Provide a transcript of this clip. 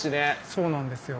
そうなんですよ。